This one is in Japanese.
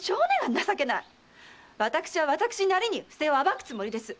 私は私なりに不正を暴くつもりです！